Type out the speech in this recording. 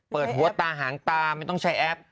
เปิดหัวตาหางตาไม่ต้องใช้แอป